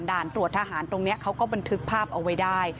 ด่านตรวจทหารตรงนี้เขาก็บันทึกภาพเอาไว้ได้